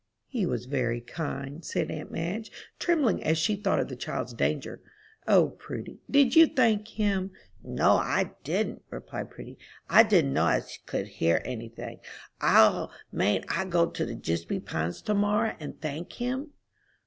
"He was very kind," said aunt Madge, trembling as she thought of the child's danger. "O Prudy, did you thank him?" "No, I didn't," replied Prudy. "I didn't know as he could hear any thing. O, mayn't I go up to the jispy Pines to morrow and thank him?"